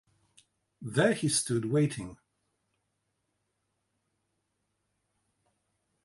There he stood, waiting.